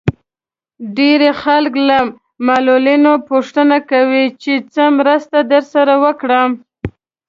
ډېری خلک له معلولينو پوښتنه کوي چې څه مرسته درسره وکړم.